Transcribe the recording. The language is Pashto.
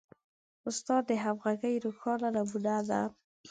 استاد د همغږۍ روښانه نمونه ده.